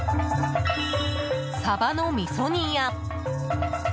サバのみそ煮や。